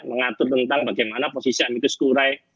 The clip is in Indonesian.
mengatur tentang bagaimana posisi amicus kurai